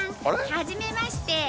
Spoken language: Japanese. はじめまして。